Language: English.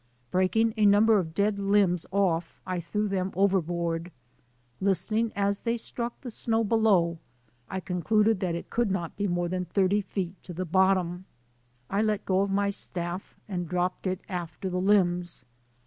Breaking a number of dead limbs off I threw them overboard. Listening as the)' struck the snow below I con cluded that it could not be more than thirty feet to the bottom. I let go my staff and dropped it after the limbs.